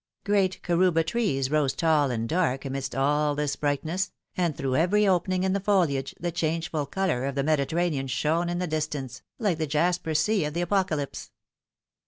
Great carouba trees rose tall and dark amidst all this brightness, and through every opening in the foliage the changeful colour of the Mediterranean shone in the distance, like the jasper sea of the Apocalypse.